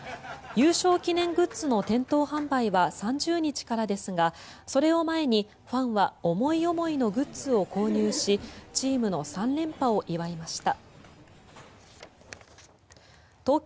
優勝記念グッズの店頭販売は３０日からですがそれを前にファンは思い思いのグッズを購入しチームの３連覇を祝いました。